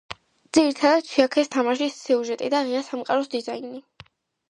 ძირითადად, შეაქეს თამაშის სიუჟეტი და ღია სამყაროს დიზაინი.